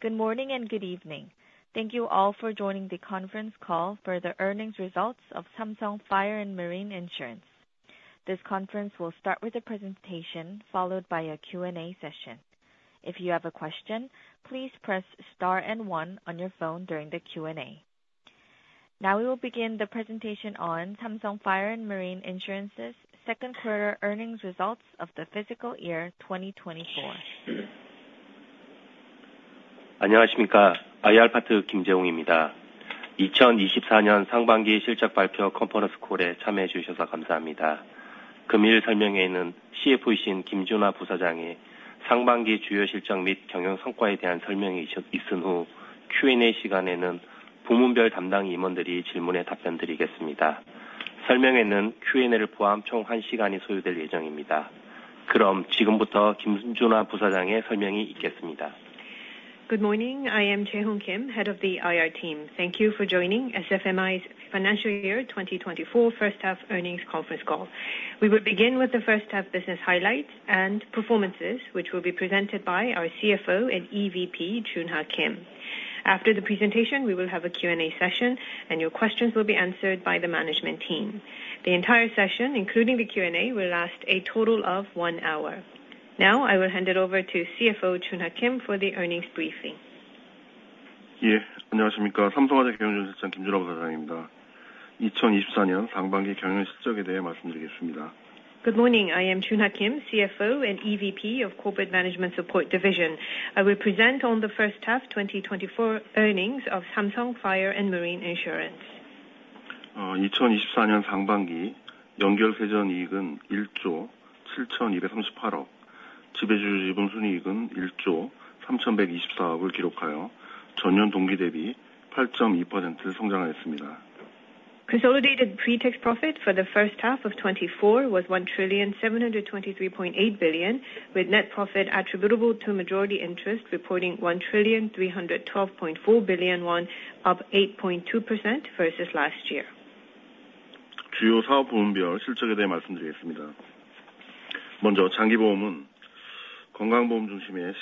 Good morning, and good evening. Thank you all for joining the conference call for the earnings results of Samsung Fire & Marine Insurance. This conference will start with a presentation, followed by a Q&A session. If you have a question, please press star and one on your phone during the Q&A. Now we will begin the presentation on Samsung Fire & Marine Insurance's Second Quarter Earnings Results of the fiscal year 2024. Good morning, I am Jun Ha Kim, head of the IR team. Thank you for joining SFMI's financial year 2024 first half earnings conference call. We will begin with the first half business highlights and performances, which will be presented by our CFO and EVP, Jun Ha Kim. After the presentation, we will have a Q&A session, and your questions will be answered by the management team. The entire session, including the Q&A, will last a total of one hour. Now, I will hand it over to CFO Jun Ha Kim for the earnings briefing. Good morning, I am Jun Ha Kim, CFO and EVP of Corporate Management Support Division. I will present on the first half 2024 earnings of Samsung Fire & Marine Insurance. Consolidated pretax profit for the first half of 2024 was 1,723.8 billion, with net profit attributable to majority interest reporting 1,312.4 billion won, up 8.2% versus last year.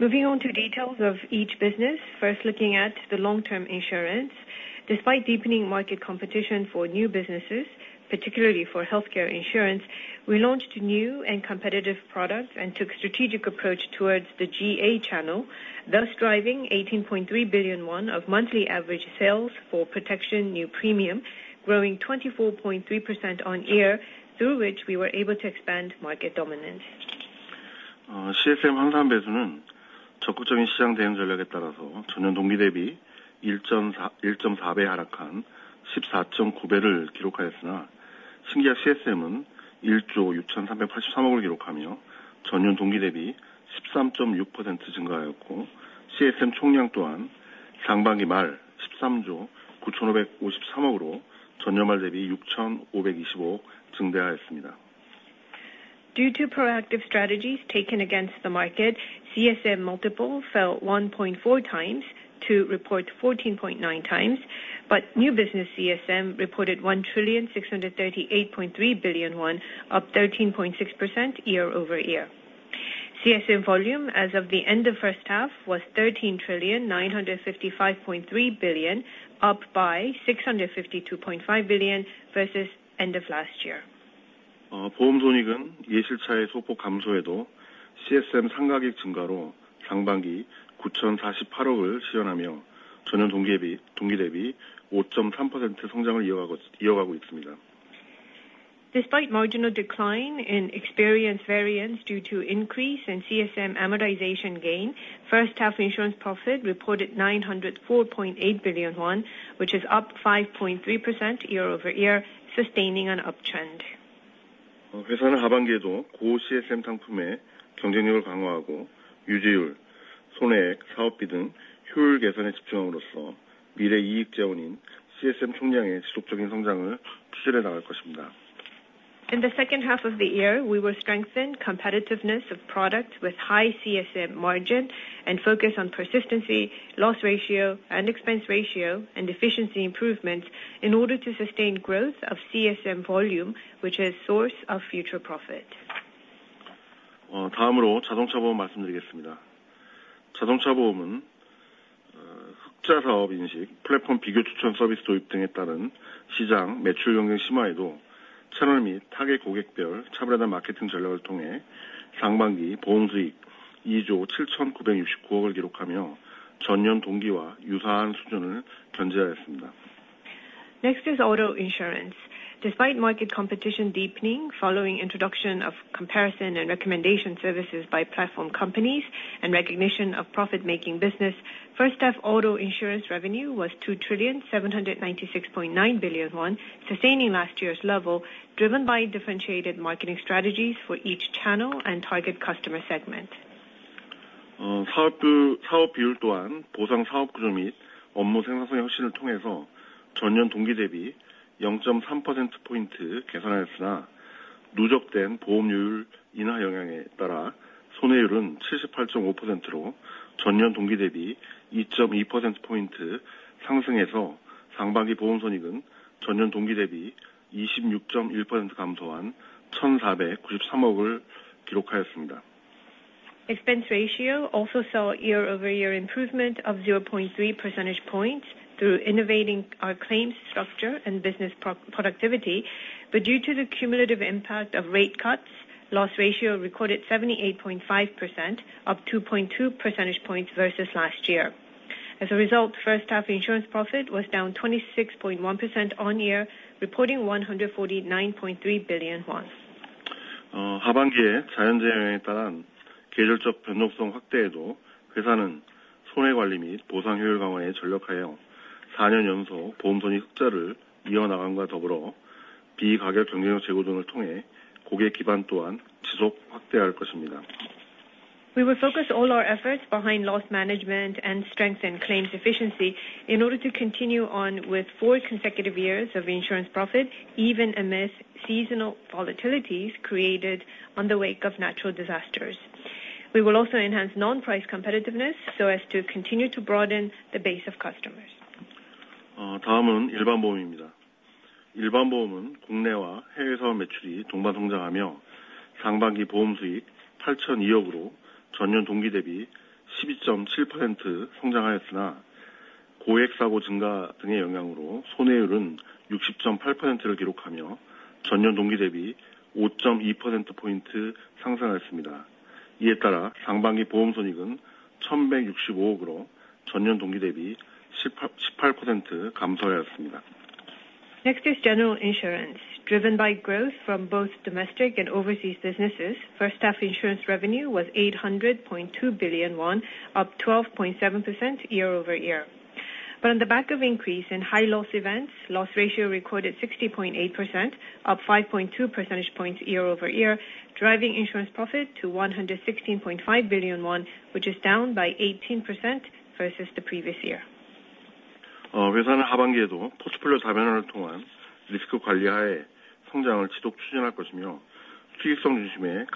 Moving on to details of each business, first, looking at the long-term insurance. Despite deepening market competition for new businesses, particularly for healthcare insurance, we launched new and competitive products and took a strategic approach towards the GA channel, thus driving 18.3 billion won of monthly average sales for protection new premium, growing 24.3% on-year, through which we were able to expand market dominance. Due to proactive strategies taken against the market, CSM multiple fell 1.4 times to report 14.9 times, but new business CSM reported 1,638.3 billion won, up 13.6% year-over-year. CSM volume as of the end of first half was 13,955.3 billion, up by 652.5 billion versus end of last year. Despite marginal decline in experience variance due to increase in CSM amortization gain, first half insurance profit reported 904.8 billion won, which is up 5.3% year-over-year, sustaining an uptrend. In the second half of the year, we will strengthen competitiveness of product with high CSM margin and focus on persistency, loss ratio and expense ratio and efficiency improvements in order to sustain growth of CSM volume, which is source of future profit. Next is auto insurance. Despite market competition deepening following introduction of comparison and recommendation services by platform companies and recognition of profit-making business, first half auto insurance revenue was 2,796.9 billion won, sustaining last year's level, driven by differentiated marketing strategies for each channel and target customer segment. Expense ratio also saw a year-over-year improvement of 0.3 percentage points through innovating our claims structure and business productivity. But due to the cumulative impact of rate cuts, loss ratio recorded 78.5%, up 2.2 percentage points versus last year. As a result, first half insurance profit was down 26.1% year-on-year, reporting KRW 149.3 billion. We will focus all our efforts behind loss management and strengthen claims efficiency in order to continue on with four consecutive years of insurance profit, even amidst seasonal volatilities created in the wake of natural disasters. We will also enhance non-price competitiveness so as to continue to broaden the base of customers. Next is General insurance, driven by growth from both domestic and overseas businesses. First half insurance revenue was 800.2 billion won, up 12.7% year-over-year. But on the back of increase in high loss events, loss ratio recorded 60.8%, up 5.2 percentage points year-over-year, driving insurance profit to 116.5 billion won, which is down by 18% versus the previous year. In the second half, we will continue to diversify our portfolio to push ahead with growth,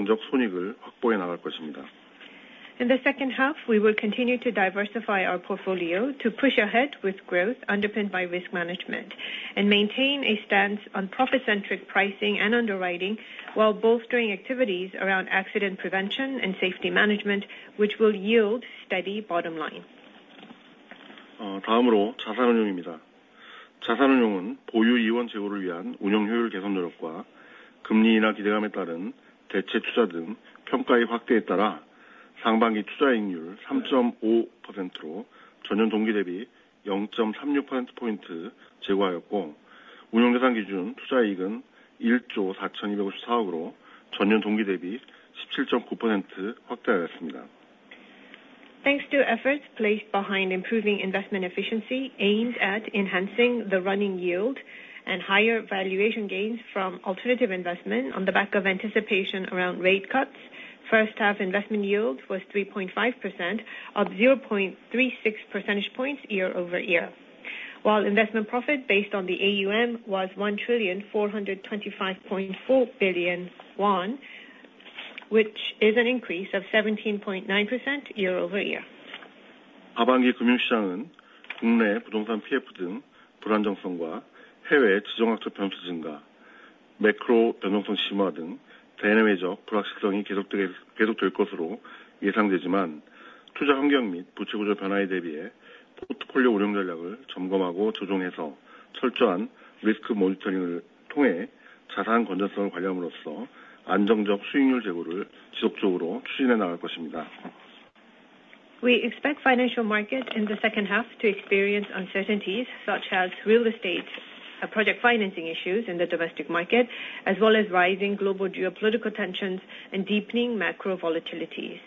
underpinned by risk management, and maintain a stance on profit-centric pricing and underwriting, while bolstering activities around accident prevention and safety management, which will yield steady bottom line. Thanks to efforts placed behind improving investment efficiency, aimed at enhancing the running yield and higher valuation gains from alternative investment on the back of anticipation around rate cuts. First half investment yield was 3.5%, up 0.36 percentage points year-over-year, while investment profit based on the AUM was 1,425.4 billion won, which is an increase of 17.9% year-over-year. We expect financial markets in the second half to experience uncertainties such as real estate, project financing issues in the domestic market, as well as rising global geopolitical tensions and deepening macro volatilities.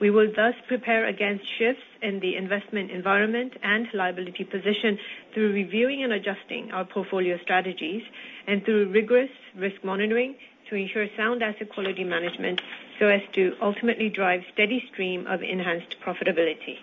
We will thus prepare against shifts in the investment environment and liability position through reviewing and adjusting our portfolio strategies and through rigorous risk monitoring to ensure sound asset quality management, so as to ultimately drive steady stream of enhanced profitability.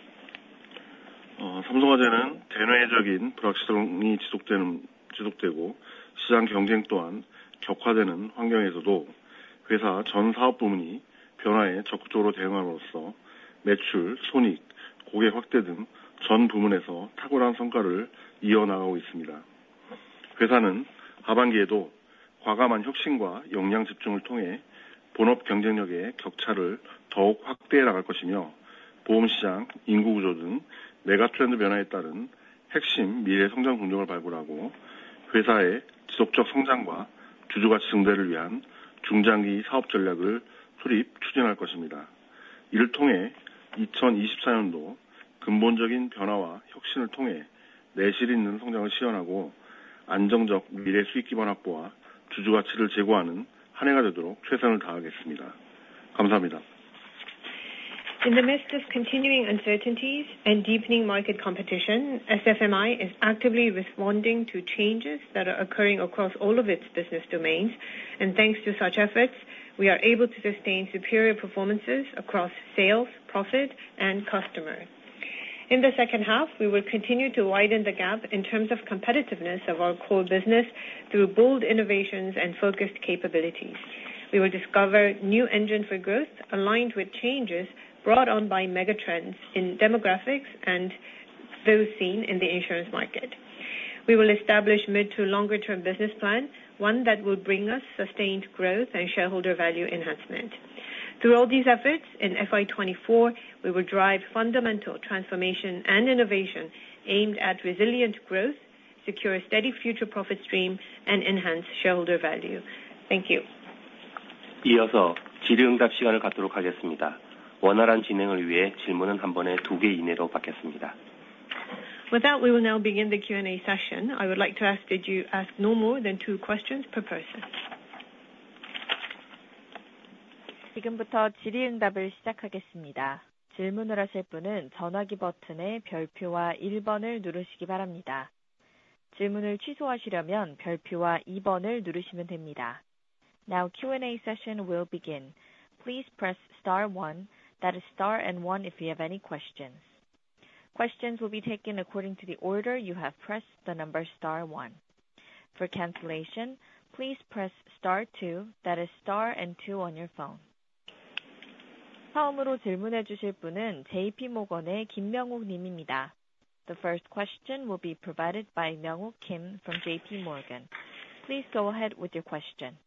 In the midst of continuing uncertainties and deepening market competition, SFMI is actively responding to changes that are occurring across all of its business domains, and thanks to such efforts, we are able to sustain superior performances across sales, profit, and customer. In the second half, we will continue to widen the gap in terms of competitiveness of our core business through bold innovations and focused capabilities. We will discover new engine for growth aligned with changes brought on by megatrends in demographics and those seen in the insurance market. We will establish mid to longer term business plans, one that will bring us sustained growth and shareholder value enhancement. Through all these efforts, in FY 2024, we will drive fundamental transformation and innovation aimed at resilient growth, secure steady future profit stream, and enhance shareholder value. Thank you. With that, we will now begin the Q&A session. I would like to ask that you ask no more than two questions per person. Now, Q&A session will begin. Please press star one. That is star and one if you have any questions. Questions will be taken according to the order you have pressed the number star one. For cancellation, please press star two, that is star and two on your phone. The first question will be provided by Myung-Woo Kim from J.P. Morgan. Please go ahead with your question.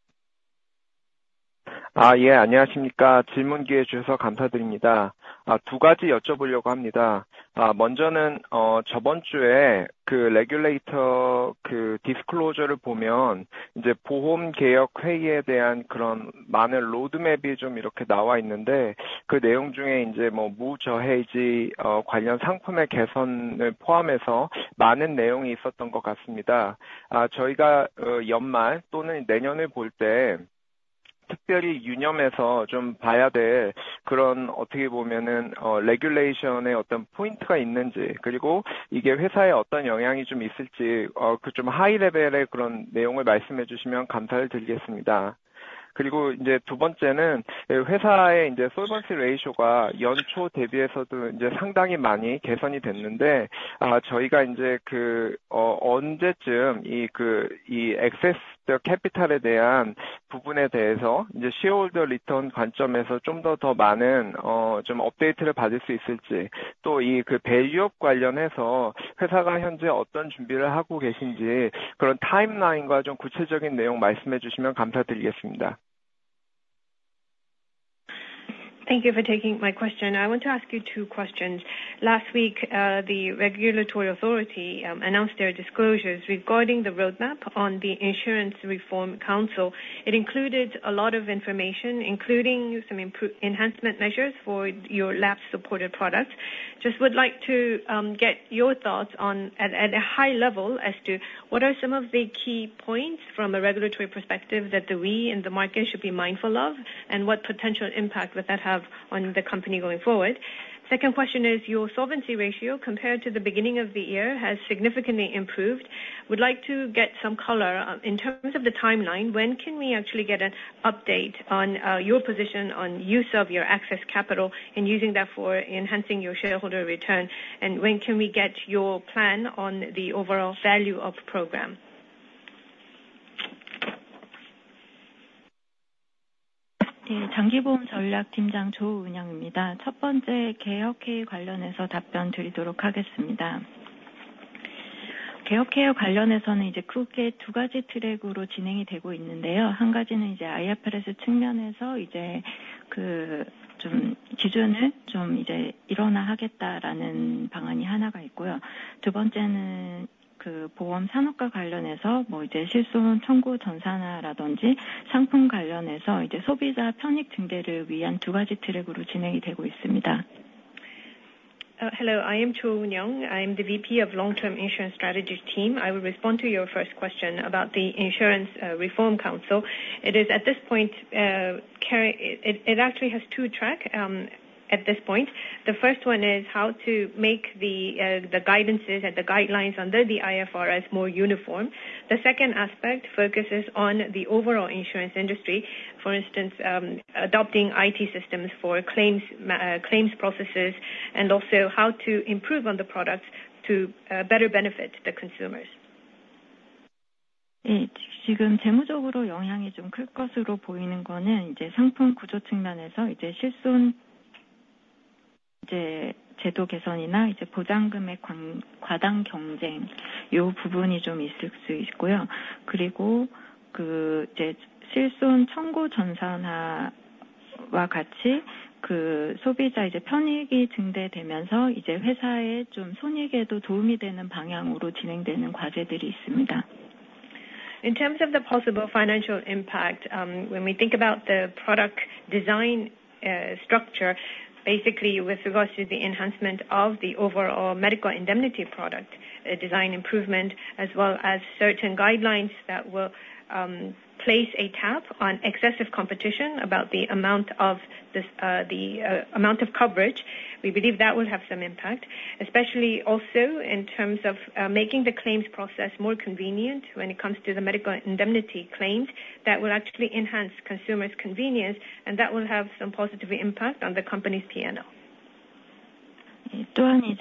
Thank you for taking my question. I want to ask you two questions. Last week, the regulatory authority announced their disclosures regarding the roadmap on the Insurance Reform Council. It included a lot of information, including some enhancement measures for your lapse-supported products. Just would like to get your thoughts on at a high level as to what are some of the key points from a regulatory perspective that we in the market should be mindful of? And what potential impact would that have on the company going forward? Second question is, your solvency ratio compared to the beginning of the year has significantly improved. Would like to get some color in terms of the timeline, when can we actually get an update on your position on use of your excess capital and using that for enhancing your shareholder return? When can we get your plan on the overall Value-up Program? I will answer to the best of my ability. Regarding the Insurance Reform Council, it is progressing in two tracks. One is, from the IFRS application perspective, to bring out some delayed items, one direction is there. The second is, regarding the supplementary benefits, whether to link actual expense claims or not, regarding products, for the purpose of targeting consumer benefits, it is progressing in two tracks. Hello, I am Eun-Young Cho. I am the VP of the Long-Term Insurance Strategy Team. I will respond to your first question about the Insurance Reform Council. It is at this point. It actually has two tracks at this point. The first one is how to make the guidances and the guidelines under the IFRS more uniform. The second aspect focuses on the overall insurance industry. For instance, adopting IT systems for claims processes, and also how to improve on the products to better benefit the consumers. In terms of the possible financial impact, when we think about the product design, structure, basically with regards to the enhancement of the overall medical indemnity product, a design improvement as well as certain guidelines that will place a tap on excessive competition about the amount of this, the amount of coverage, we believe that will have some impact, especially also in terms of making the claims process more convenient when it comes to the medical indemnity claims. That will actually enhance consumers' convenience, and that will have some positive impact on the company's P&L.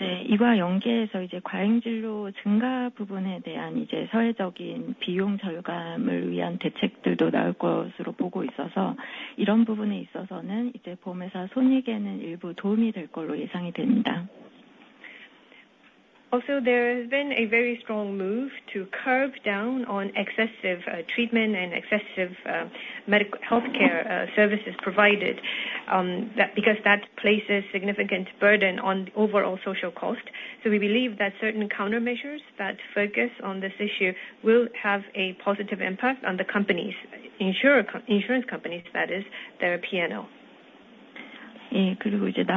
Also, there has been a very strong move to curb down on excessive treatment and excessive medical healthcare services provided, that, because that places significant burden on overall social cost. So we believe that certain countermeasures that focus on this issue will have a positive impact on the companies, insurers, co-insurance companies, that is, their P&L. And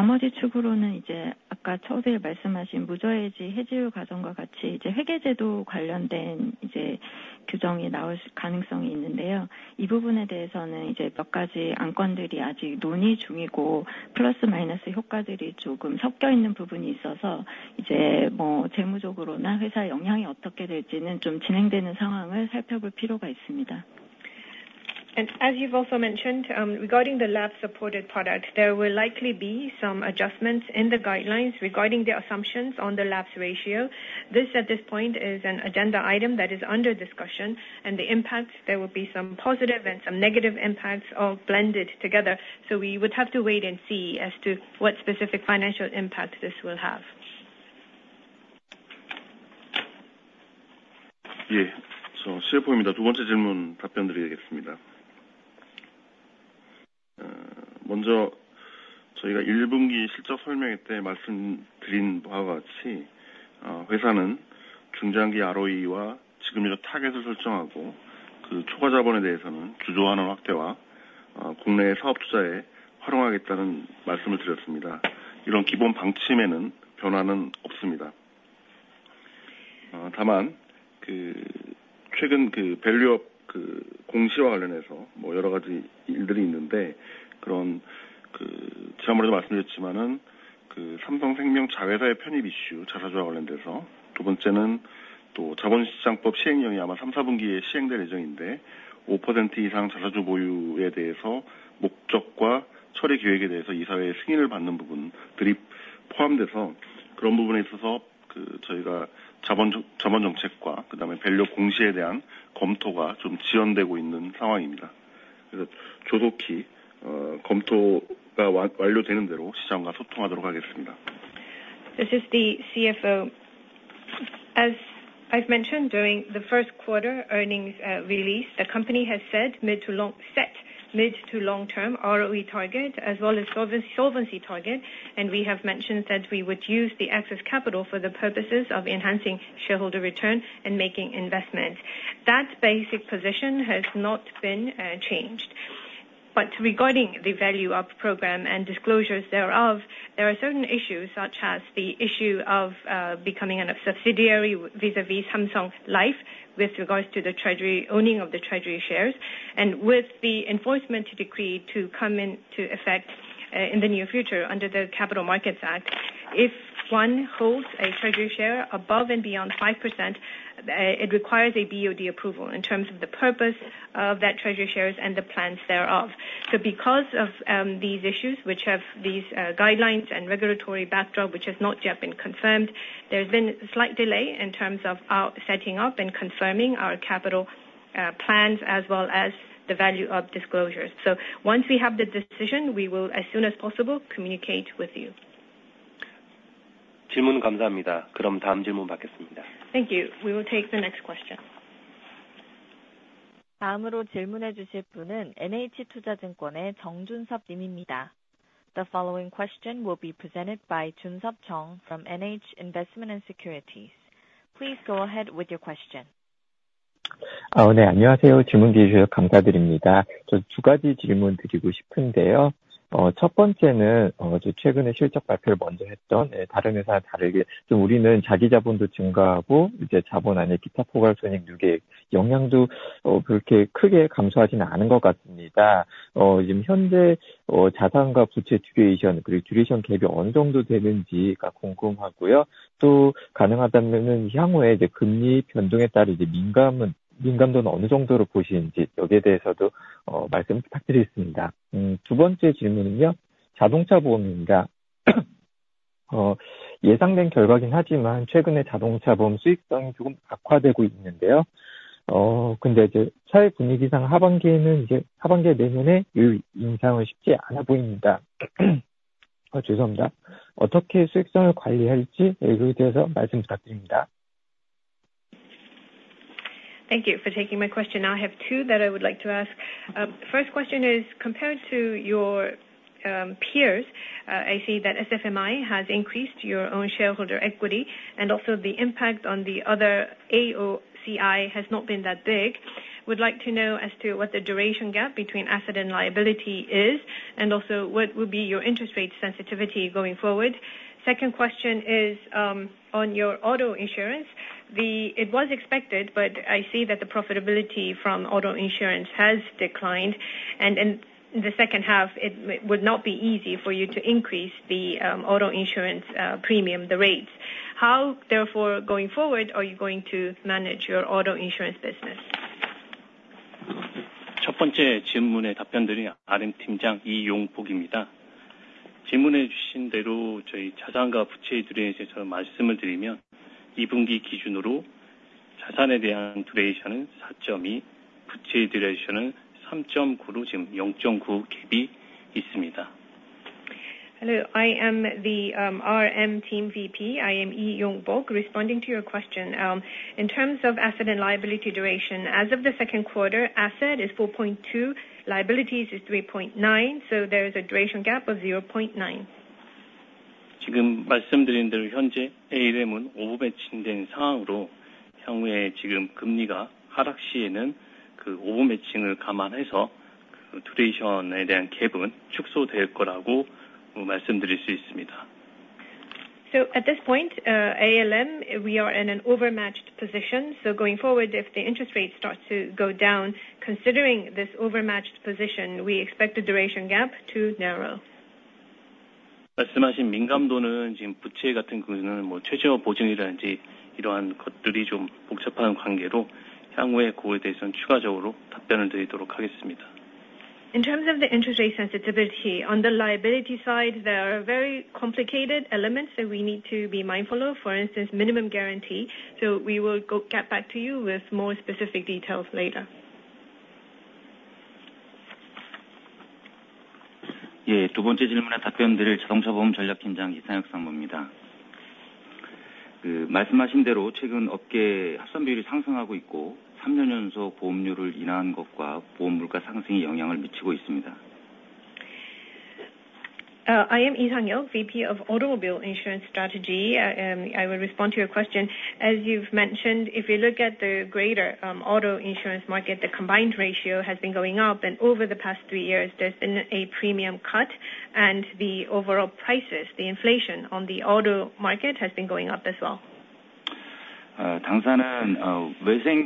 as you've also mentioned, regarding the lapse-supported product, there will likely be some adjustments in the guidelines regarding the assumptions on the lapse ratio. This, at this point, is an agenda item that is under discussion, and the impacts, there will be some positive and some negative impacts all blended together. So we would have to wait and see as to what specific financial impact this will have. This is the CFO. As I've mentioned during the first quarter earnings release, the company has set mid- to long-term ROE target, as well as solvency target, and we have mentioned that we would use the excess capital for the purposes of enhancing shareholder return and making investments. That basic position has not been changed. But regarding the Value-up program and disclosures thereof, there are certain issues, such as the issue of becoming a subsidiary vis-a-vis Samsung Life, with regards to the treasury owning of the treasury shares. And with the enforcement decree to come into effect in the near future, under the Capital Markets Act, if one holds a treasury share above and beyond 5%, it requires a BOD approval in terms of the purpose of that treasury shares and the plans thereof. So because of these issues, which have these guidelines and regulatory backdrop, which has not yet been confirmed, there's been a slight delay in terms of our setting up and confirming our capital plans as well as the Value-up disclosures. So once we have the decision, we will, as soon as possible, communicate with you. Thank you. We will take the next question. The following question will be presented by Jun-Sup Chung from NH Investment & Securities. Please go ahead with your question. Thank you for taking my question. I have two that I would like to ask. First question is, compared to your peers, I see that SFMI has increased your own shareholder equity and also the impact on the other AOCI has not been that big. Would like to know as to what the duration gap between asset and liability is, and also what would be your interest rate sensitivity going forward? Second question is, on your auto insurance. It was expected, but I see that the profitability from auto insurance has declined, and in the second half, it would not be easy for you to increase the auto insurance premium rates. How, therefore, going forward, are you going to manage your auto insurance business? Hello, I am the RM Team VP. I am Yong-Bok Lee. Responding to your question, in terms of asset and liability duration, as of the second quarter, asset is 4.2, liabilities is 3.9, so there is a duration gap of 0.9. So at this point, ALM, we are in an over-matched position. So going forward, if the interest rate starts to go down, considering this over-matched position, we expect the duration gap to narrow. In terms of the interest rate sensitivity, on the liability side, there are very complicated elements that we need to be mindful of, for instance, minimum guarantee. So we will get back to you with more specific details later. I am Sang-Yeob Lee, VP of Automobile Insurance Strategy, and I will respond to your question. As you've mentioned, if you look at the greater auto insurance market, the combined ratio has been going up, and over the past three years, there's been a premium cut, and the overall prices, the inflation on the auto market has been going up as well. So setting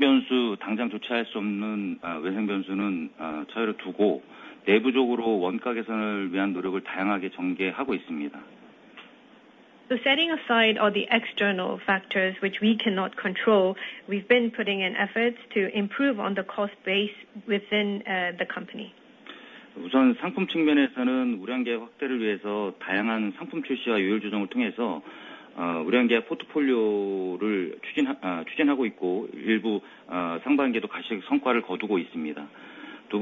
aside all the external factors which we cannot control, we've been putting in efforts to improve on the cost base within the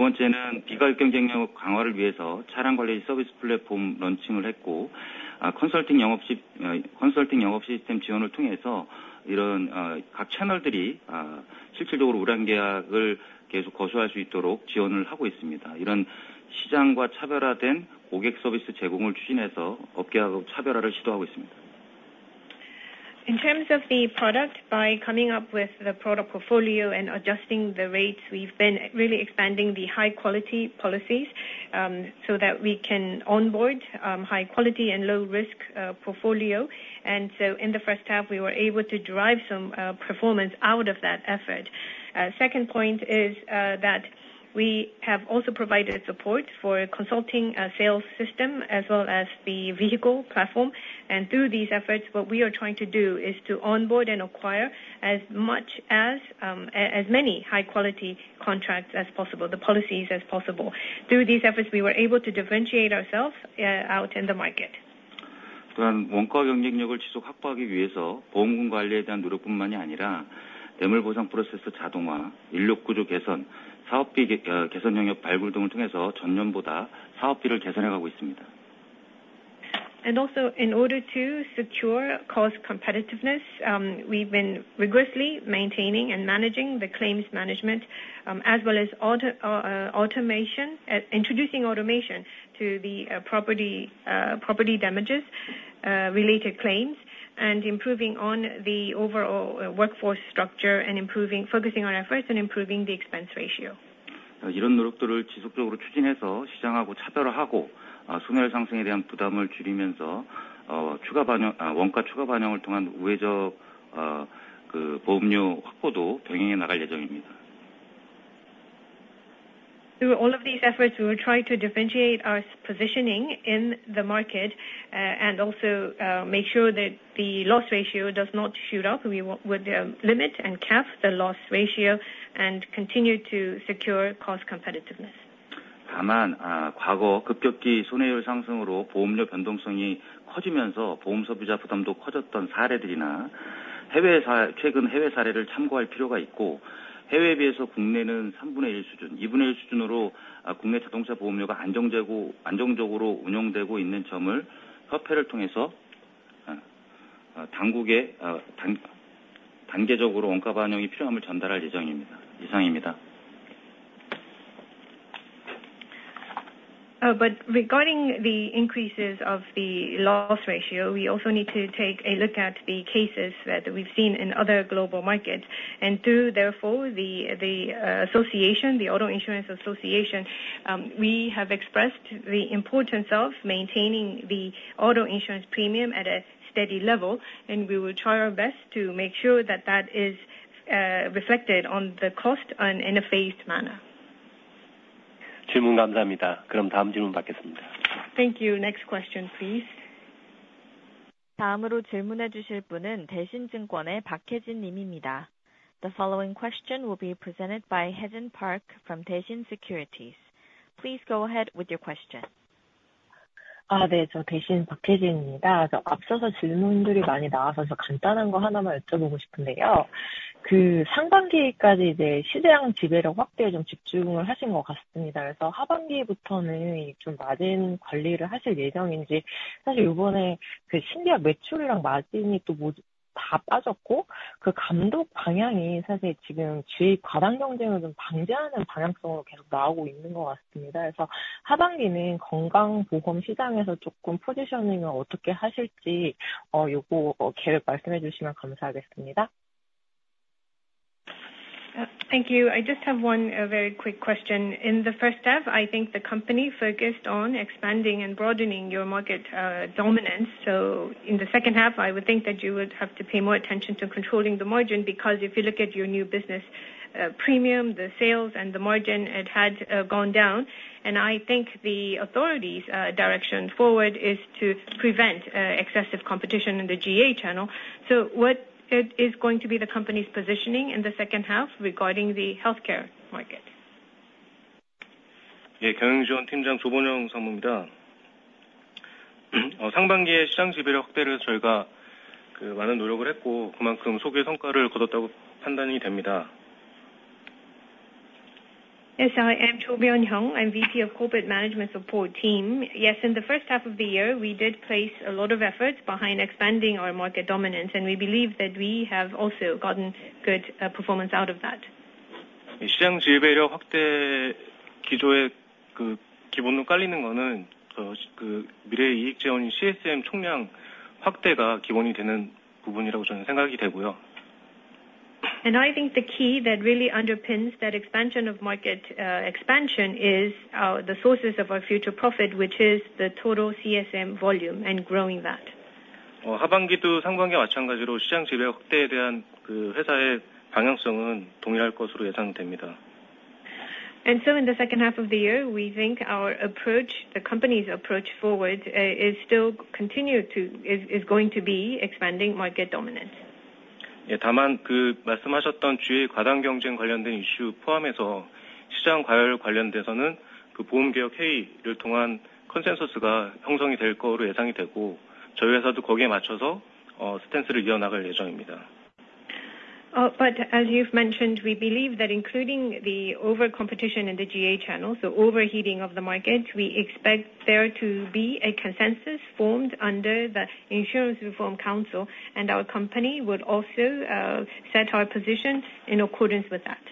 company. In terms of the product, by coming up with the product portfolio and adjusting the rates, we've been really expanding the high quality policies, so that we can onboard high quality and low risk portfolio. And so in the first half, we were able to drive some performance out of that effort. Second point is that we have also provided support for consulting a sales system as well as the vehicle platform. And through these efforts, what we are trying to do is to onboard and acquire as much as, as many high quality contracts as possible, the policies as possible. Through these efforts, we were able to differentiate ourselves out in the market. And also, in order to secure cost competitiveness, we've been rigorously maintaining and managing the claims management, as well as auto automation, introducing automation to the property damages related claims, and improving on the overall workforce structure and focusing on our efforts and improving the expense ratio. Through all of these efforts, we will try to differentiate our positioning in the market, and also, make sure that the loss ratio does not shoot up. We will limit and cap the loss ratio and continue to secure cost competitiveness. Regarding the increases of the loss ratio, we also need to take a look at the cases that we've seen in other global markets, and therefore, through the association, the Auto Insurance Association, we have expressed the importance of maintaining the auto insurance premium at a steady level, and we will try our best to make sure that that is reflected on the cost and in a phased manner. Thank you. Next question, please. The following question will be presented by Hye-Jin Park from Daishin Securities. Please go ahead with your question. So, from the second half, do you plan to manage margins a bit? In fact, this time both new sales and margins have all dropped again, and the supervisory direction seems to be continuously coming out in the direction of preventing excessive GA competition right now. So, for the second half, how do you plan to position in the health insurance market a bit? If you could tell me this plan, I would be grateful. Thank you. I just have one very quick question. In the first half, I think the company focused on expanding and broadening your market dominance. So in the second half, I would think that you would have to pay more attention to controlling the margin, because if you look at your new business premium, the sales and the margin, it had gone down. And I think the authorities' direction forward is to prevent excessive competition in the GA channel. So what is going to be the company's positioning in the second half regarding the healthcare market? First half, we made a lot of efforts to expand market dominance, and I believe we achieved the corresponding results. Yes, I am Byung-Young Cho, I'm VP of Corporate Management Support Team. Yes, in the first half of the year, we did place a lot of efforts behind expanding our market dominance, and we believe that we have also gotten good performance out of that. I think the key that really underpins that expansion of market expansion is the sources of our future profit, which is the total CSM volume and growing that. So in the second half of the year, we think our approach, the company's approach forward, is still going to be expanding market dominance. As you've mentioned, we believe that including the over competition in the GA channel, so overheating of the market, we expect there to be a consensus formed under the Insurance Reform Council, and our company would also set our position in accordance with that.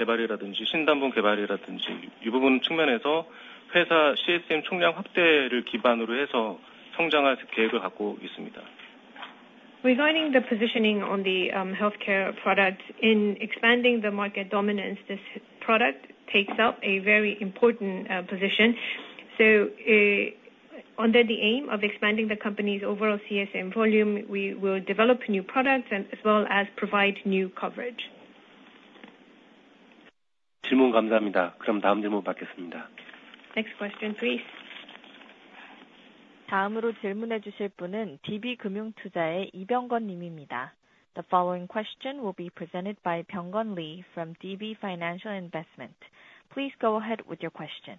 Regarding the positioning on the healthcare product. In expanding the market dominance, this product takes up a very important position. So, under the aim of expanding the company's overall CSM volume, we will develop new products and as well as provide new coverage. Next question, please. The following question will be presented by Byung-Gun Lee from DB Financial Investment. Please go ahead with your question.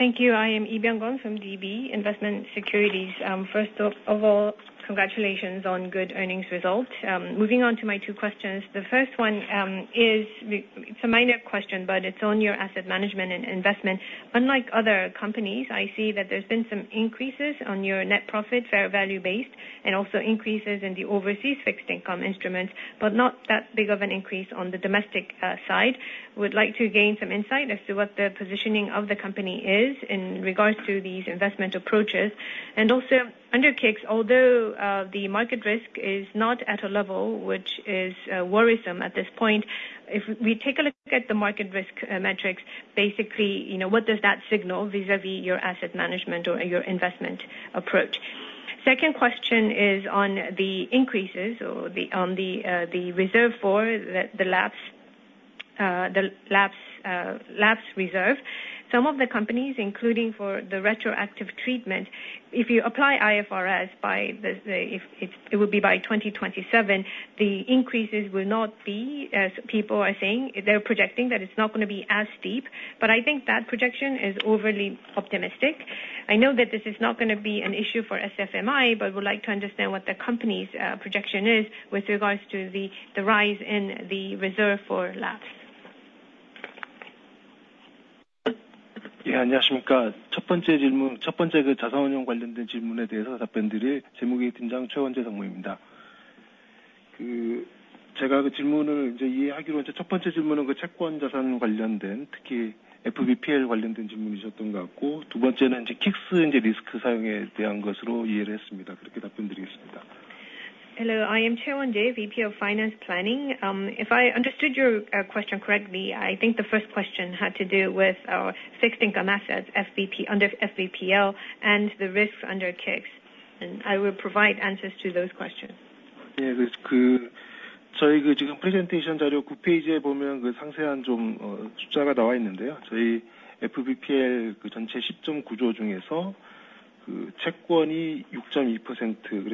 Thank you. I am Byung-Gun Lee from DB Financial Investment. First of all, congratulations on good earnings results. Moving on to my two questions. The first one is it's a minor question, but it's on your asset management and investment. Unlike other companies, I see that there's been some increases on your net profit, fair value based, and also increases in the overseas fixed income instruments, but not that big of an increase on the domestic side. Would like to gain some insight as to what the positioning of the company is in regards to these investment approaches. And also under K-ICS, although the market risk is not at a level which is worrisome at this point, if we take a look at the market risk metrics, basically, you know, what does that signal vis-a-vis your asset management or your investment approach? Second question is on the increases or the reserve for the lapse reserve. Some of the companies, including for the retroactive treatment, if you apply IFRS by the, if it would be by 2027, the increases will not be, as people are saying, they're projecting that it's not gonna be as steep, but I think that projection is overly optimistic. I know that this is not gonna be an issue for SFMI, but would like to understand what the company's projection is with regards to the rise in the reserve for lapse. Hello, I am Won-Jae Choi, VP of Finance Planning. If I understood your question correctly, I think the first question had to do with our fixed income assets, FVTPL, under FVTPL and the risks under K-ICS, and I will provide answers to those questions. Under FVTPL line item, it's KRW 10.9 trillion, and fixed income, or bonds is 2.1%,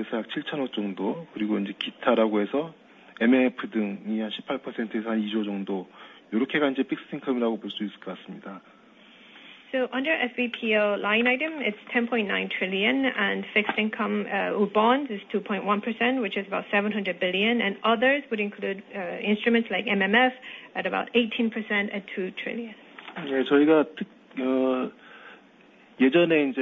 which is about 700 billion, and others would include instruments like MMF at about 18% at KRW 2 trillion.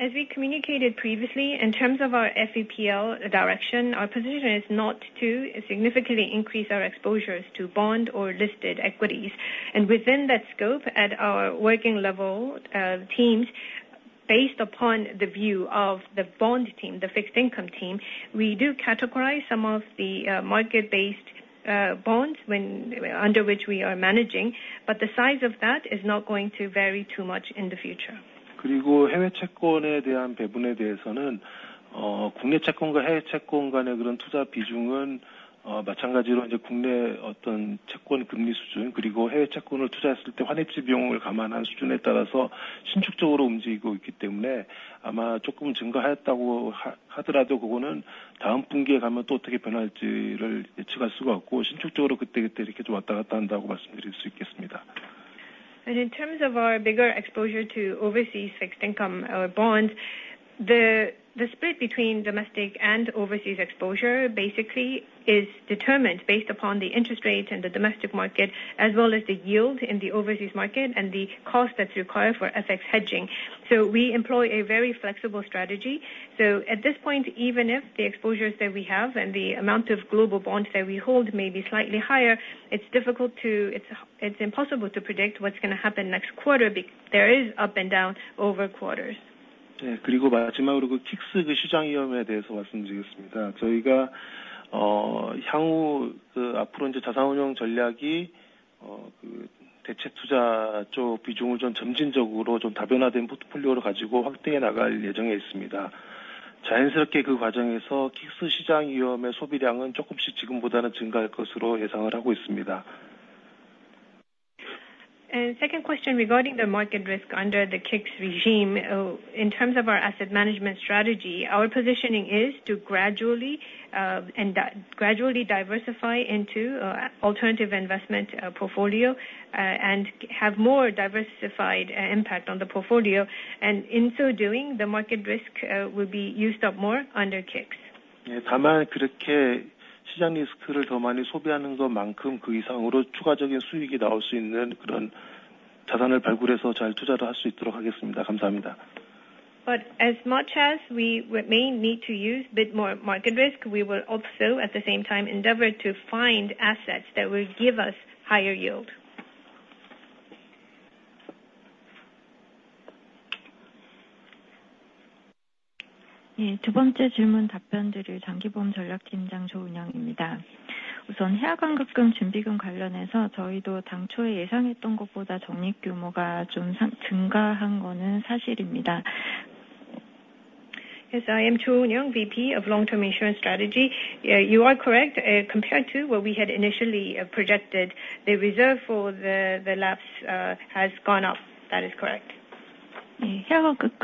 As we communicated previously, in terms of our FVTPL direction, our position is not to significantly increase our exposures to bond or listed equities, and within that scope, at our working level, teams, based upon the view of the bond team, the fixed income team, we do categorize some of the, market-based, bonds when under which we are managing, but the size of that is not going to vary too much in the future. And in terms of our bigger exposure to overseas fixed income, bonds, the split between domestic and overseas exposure basically is determined based upon the interest rate and the domestic market, as well as the yield in the overseas market and the cost that's required for FX hedging. So we employ a very flexible strategy. So at this point, even if the exposures that we have and the amount of global bonds that we hold may be slightly higher, it's difficult to—It's impossible to predict what's gonna happen next quarter, there is up and down over quarters. Second question regarding the market risk under the K-ICS regime. In terms of our asset management strategy, our positioning is to gradually diversify into alternative investment portfolio and have more diversified impact on the portfolio. And in so doing, the market risk will be used up more under K-ICS. But as much as we remain, we need to use a bit more market risk, we will also, at the same time, endeavor to find assets that will give us higher yield. Yes, I am Eun-Young Cho, VP of Long-Term Insurance Strategy. You are correct. Compared to what we had initially projected, the reserve for the, the lapse has gone up. That is correct.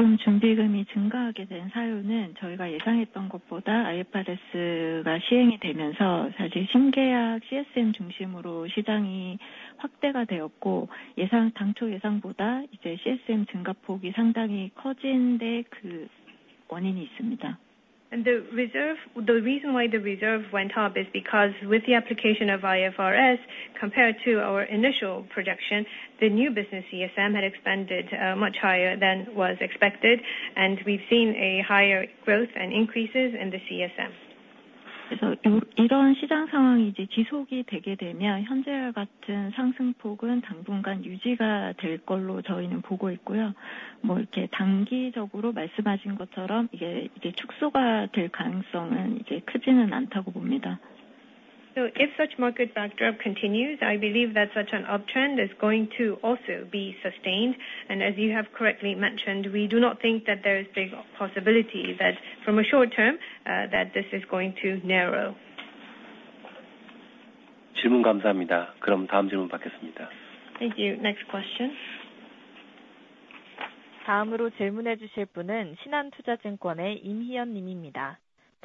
The reserve—the reason why the reserve went up is because with the application of IFRS, compared to our initial projection, the new business CSM had expanded, much higher than was expected, and we've seen a higher growth and increases in the CSM. So if such market backdrop continues, I believe that such an uptrend is going to also be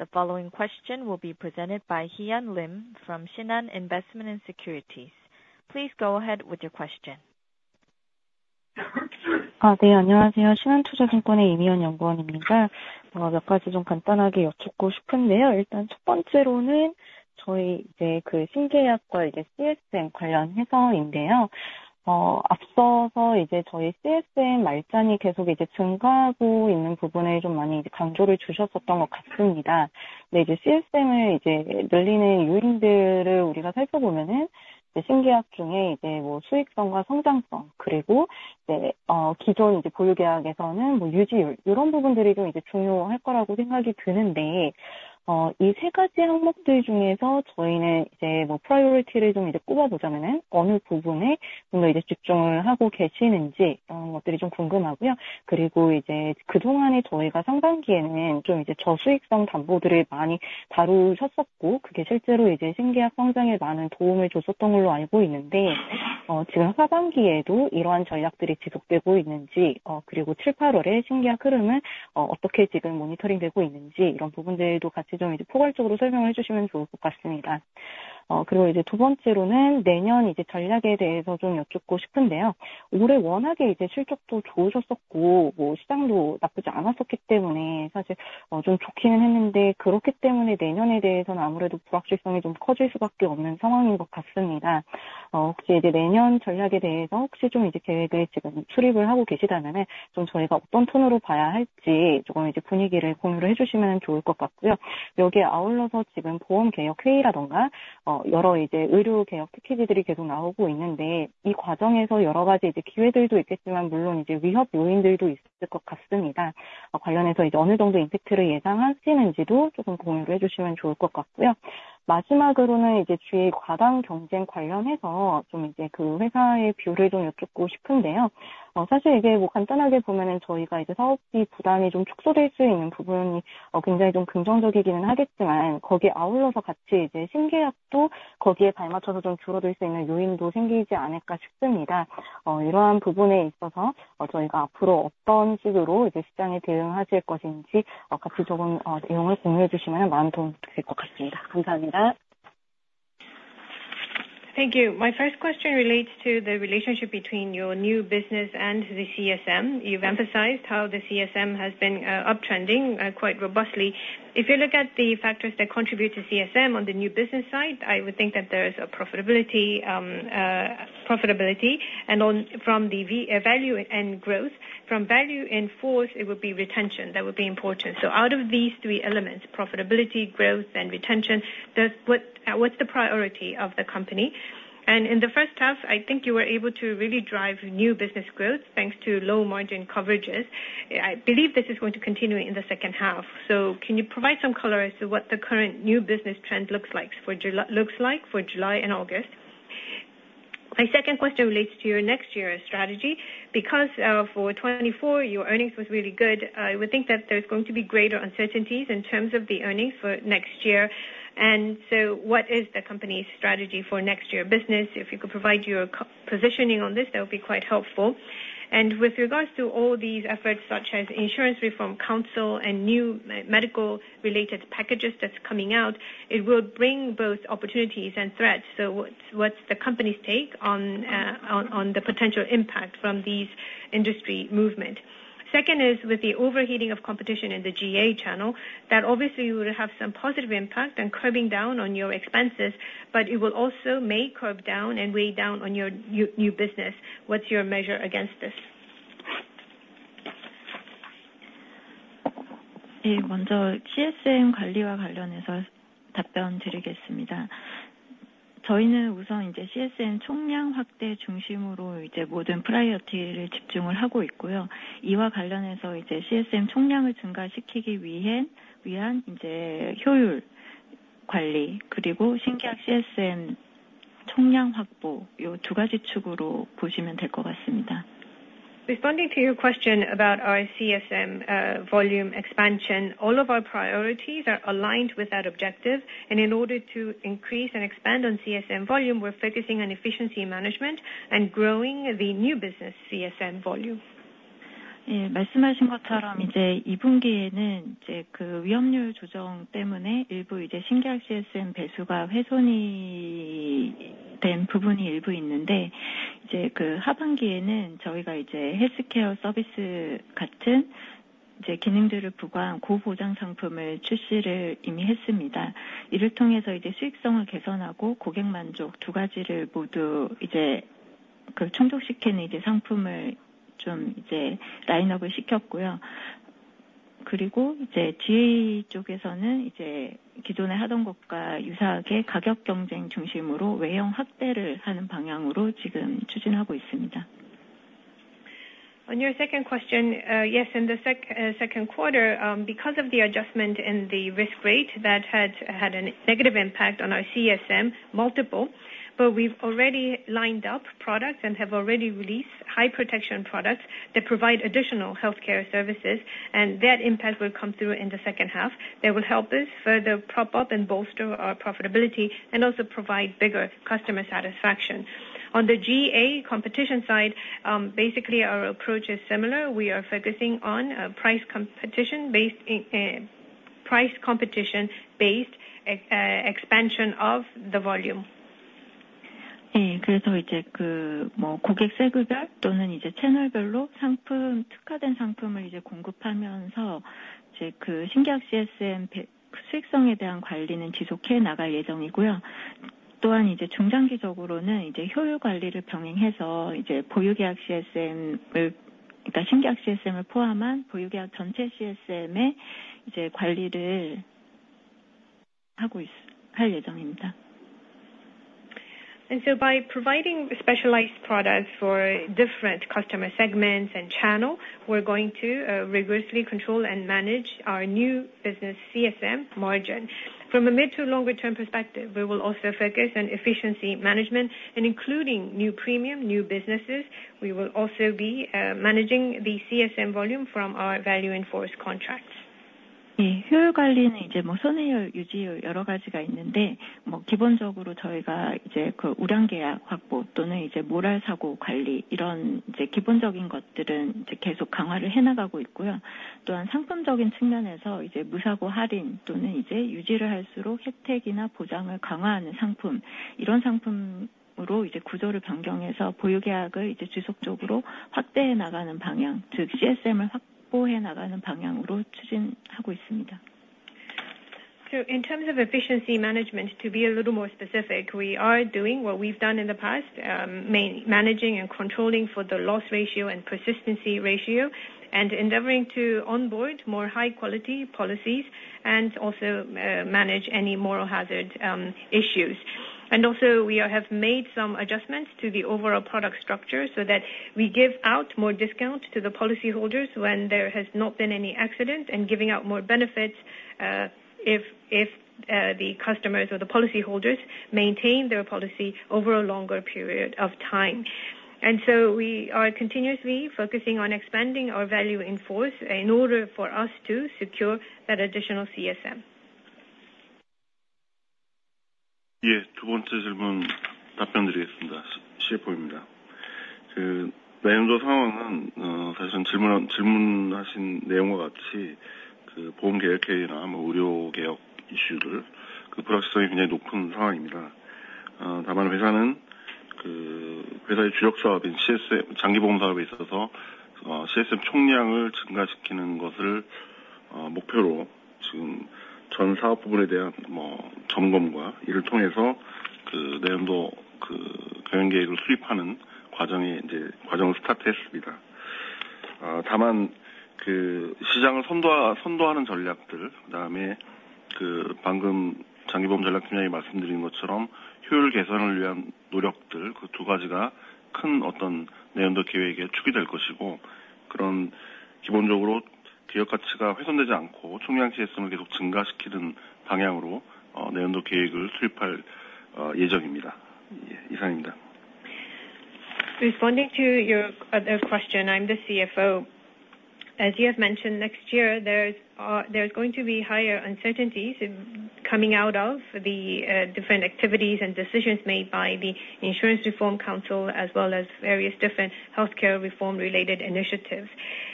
sustained. As you have correctly mentioned, we do not think that there is big possibility that from a short term, that this is going to narrow. Thank you. Next question. The following question will be presented by Hee-Yeon Lim from Shinhan Investment & Securities. Please go ahead with your question. Thank you. My first question relates to the relationship between your new business and the CSM. You've emphasized how the CSM has been uptrending quite robustly. If you look at the factors that contribute to CSM on the new business side, I would think that there is a profitability, profitability and on, from the value and growth, from value in force, it would be retention that would be important. So out of these three elements, profitability, growth, and retention, what's the priority of the company? And in the first half, I think you were able to really drive new business growth thanks to low margin coverages. I believe this is going to continue in the second half. So can you provide some color as to what the current new business trend looks like for July and August? My second question relates to your next year's strategy, because for 2024, your earnings was really good. I would think that there's going to be greater uncertainties in terms of the earnings for next year. And so what is the company's strategy for next year business? If you could provide your positioning on this, that would be quite helpful. And with regards to all these efforts, such as Insurance Reform Council and new medical related packages that's coming out, it will bring both opportunities and threats. So what's the company's take on the potential impact from these industry movement? Second is with the overheating of competition in the GA channel, that obviously you will have some positive impact on curbing down on your expenses, but it will also may curb down and weigh down on your new business. What's your measure against this? Responding to your question about our CSM volume expansion, all of our priorities are aligned with that objective, and in order to increase and expand on CSM volume, we're focusing on efficiency management and growing the new business CSM volume. On your second question, yes, in the second quarter, because of the adjustment in the risk rate, that had a negative impact on our CSM multiple. But we've already lined up products and have already released high protection products that provide additional healthcare services, and that impact will come through in the second half. That will help us further prop up and bolster our profitability and also provide bigger customer satisfaction. On the GA competition side, basically, our approach is similar. We are focusing on price competition based expansion of the volume. By providing specialized products for different customer segments and channels, we're going to rigorously control and manage our new business CSM margin. From a mid to longer term perspective, we will also focus on efficiency management and including new premium, new businesses. We will also be managing the CSM volume from our value in force contracts. So in terms of efficiency management, to be a little more specific, we are doing what we've done in the past, managing and controlling for the loss ratio and persistency ratio and endeavoring to onboard more high quality policies and also, manage any moral hazard issues. And also, we have made some adjustments to the overall product structure so that we give out more discounts to the policy holders when there has not been any accident, and giving out more benefits, if the customers or the policy holders maintain their policy over a longer period of time. And so we are continuously focusing on expanding our value in force in order for us to secure that additional CSM. Responding to your other question, I'm the CFO. As you have mentioned, next year, there is going to be higher uncertainties coming out of the different activities and decisions made by the Insurance Reform Council, as well as various different healthcare reform-related initiatives.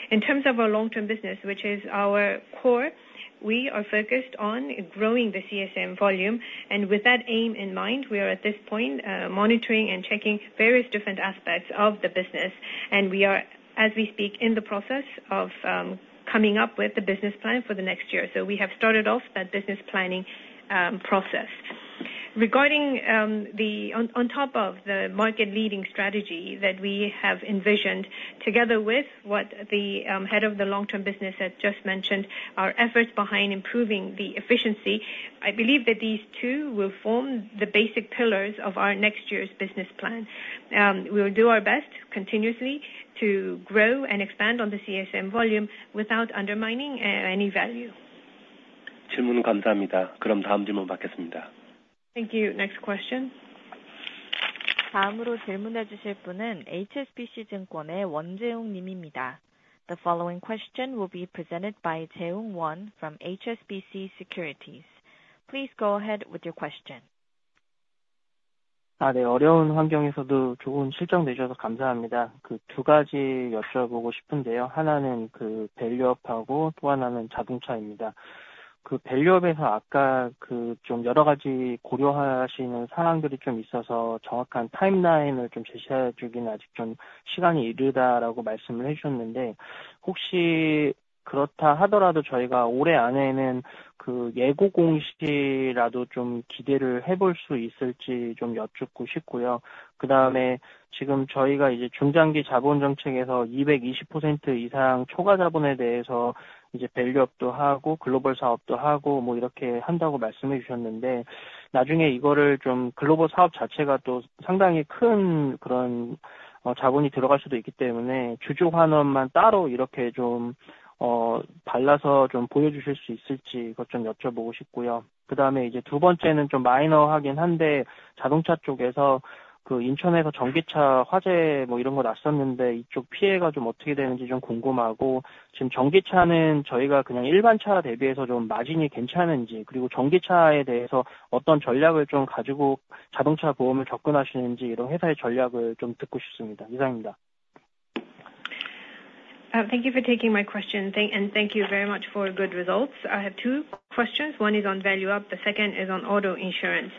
In terms of our long-term business, which is our core. We are focused on growing the CSM volume, and with that aim in mind, we are at this point monitoring and checking various different aspects of the business. And we are, as we speak, in the process of coming up with the business plan for the next year. So we have started off that business planning process. Regarding on top of the market leading strategy that we have envisioned together with what the head of the long-term business has just mentioned, our efforts behind improving the efficiency, I believe that these two will form the basic pillars of our next year's business plan. We will do our best continuously to grow and expand on the CSM volume without undermining any value. Thank you. Next question. The following question will be presented by Tim Wong from HSBC. Please go ahead with your question. Thank you for taking my question, and thank you very much for good results. I have two questions. One is on value-up, the second is on auto insurance.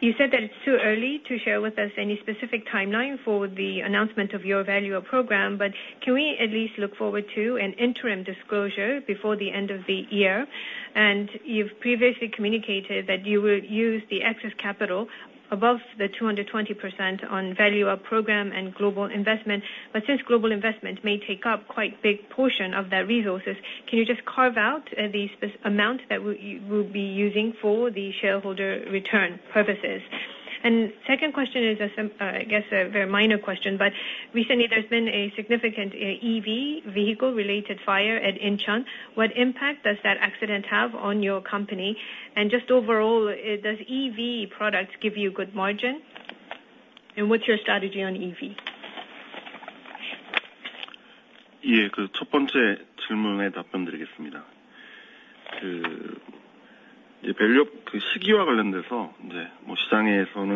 You said that it's too early to share with us any specific timeline for the announcement of your Value-up program, but can we at least look forward to an interim disclosure before the end of the year? And you've previously communicated that you will use the excess capital above the 220% on Value-up program and global investment. But since global investment may take up quite big portion of that resources, can you just carve out the specific amount that you will be using for the shareholder return purposes? Second question is, I guess, a very minor question, but recently there's been a significant EV vehicle related fire at Incheon. What impact does that accident have on your company? And just overall, does EV products give you good margin, and what's your strategy on EV? Yeah, good. Responding to your first question, this is the CFO. You asked about a more specific timing for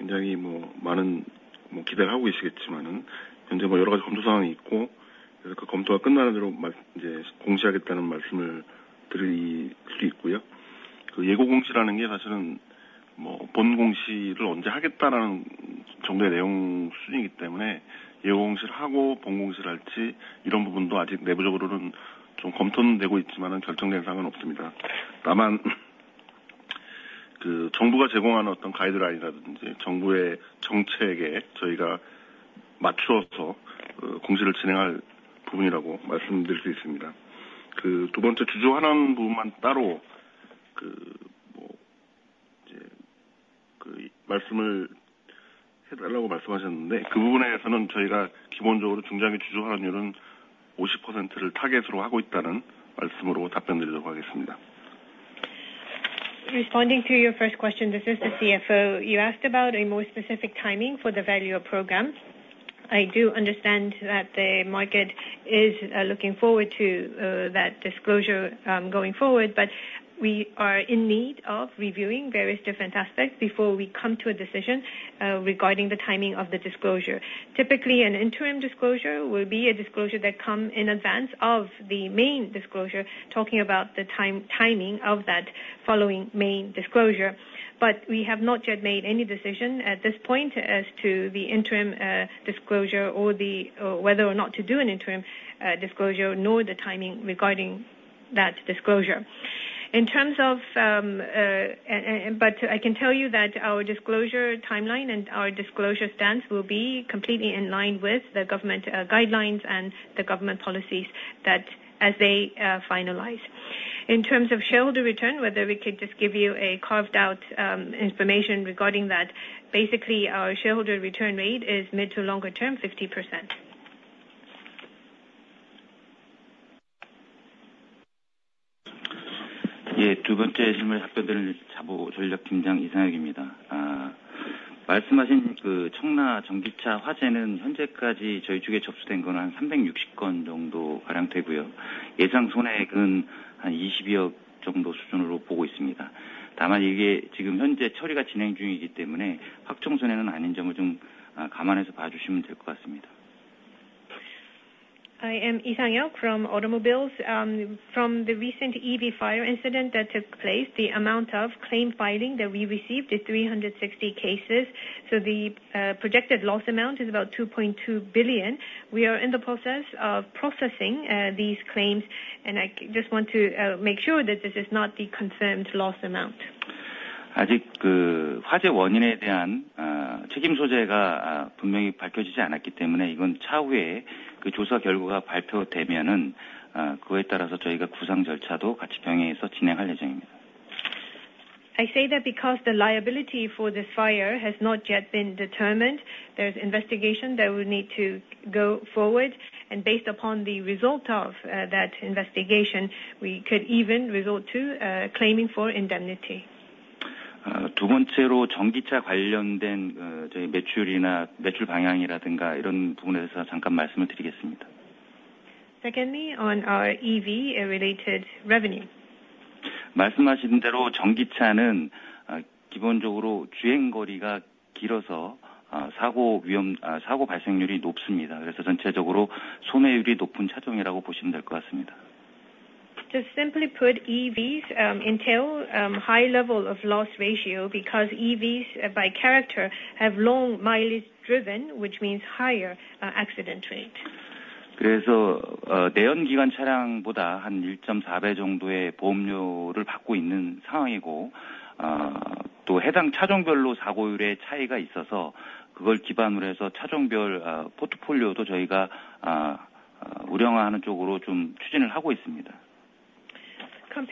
the Value-up program. I do understand that the market is looking forward to that disclosure, going forward, but we are in need of reviewing various different aspects before we come to a decision regarding the timing of the disclosure. Typically, an interim disclosure will be a disclosure that come in advance of the main disclosure, talking about the timing of that following main disclosure. We have not yet made any decision at this point as to the interim disclosure or whether or not to do an interim disclosure, nor the timing regarding that disclosure. In terms of but I can tell you that our disclosure timeline and our disclosure stance will be completely in line with the government guidelines and the government policies that as they finalize. In terms of shareholder return, whether we could just give you a carved out information regarding that, basically, our shareholder return rate is mid- to long-term, 50%. Yeah, I am Sang-Yeob Lee from Automobile Insurance. From the recent EV fire incident that took place, the amount of claim filing that we received is 360 cases. So the projected loss amount is about 2.2 billion. We are in the process of processing these claims, and I just want to make sure that this is not the confirmed loss amount. I say that because the liability for this fire has not yet been determined, there's investigation that would need to go forward, and based upon the result of that investigation, we could even resort to claiming for indemnity. Secondly, on our EV related revenue. To simply put, EVs entail high level of loss ratio because EVs by character have long mileage driven, which means higher accident rate. Compared to internal combustion engine vehicles, the premium, therefore the pricing, is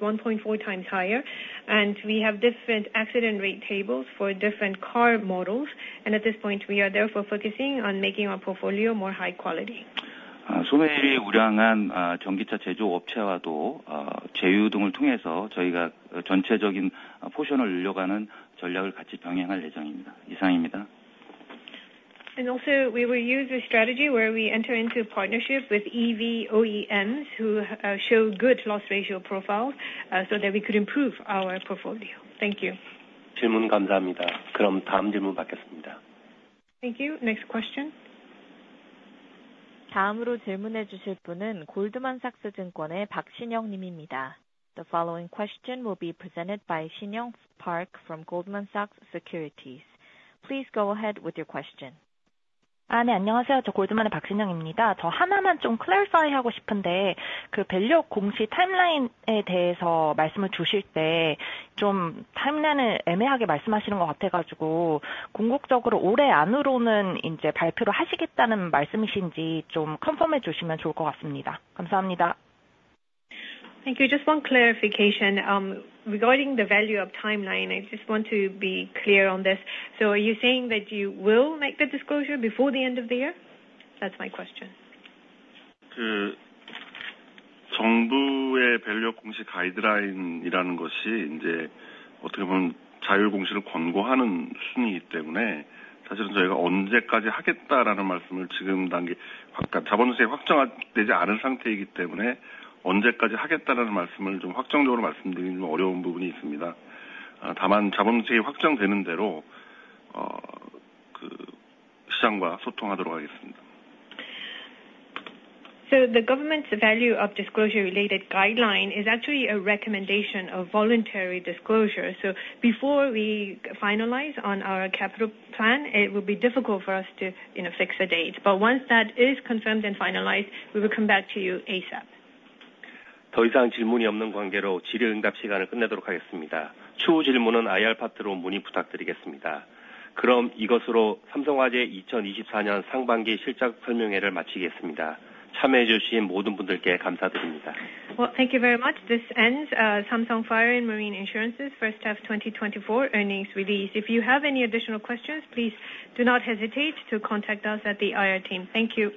1.4x higher, and we have different accident rate tables for different car models. And at this point, we are therefore focusing on making our portfolio more high quality. And also, we will use a strategy where we enter into partnership with EV OEMs who show good loss ratio profiles so that we could improve our portfolio. Thank you. Thank you. Next question. The following question will be presented by Sinyoung Park from Goldman Sachs. Please go ahead with your question. Thank you. Just one clarification regarding the value-up timeline, I just want to be clear on this. So are you saying that you will make the disclosure before the end of the year? That's my question. So the government's value-up disclosure related guideline is actually a recommendation of voluntary disclosure. So before we finalize on our capital plan, it will be difficult for us to, you know, fix a date. But once that is confirmed and finalized, we will come back to you ASAP. Well, thank you very much. This ends, Samsung Fire & Marine Insurance's first half 2024 earnings release. If you have any additional questions, please do not hesitate to contact us at the IR team. Thank you.